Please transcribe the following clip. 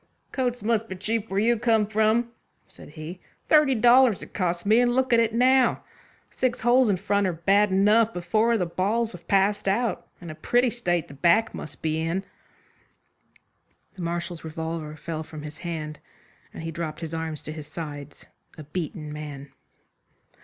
"Coats must be cheap where you come from," said he. "Thirty dollars it cost me, and look at it now. The six holes in front are bad enough, but four of the balls have passed out, and a pretty state the back must be in." The Marshal's revolver fell from his hand, and he dropped his arms to his sides, a beaten man.